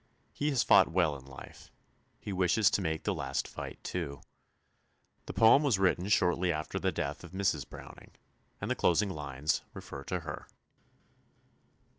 He has fought well in life; he wishes to make the last fight too. The poem was written shortly after the death of Mrs. Browning, and the closing lines refer to her.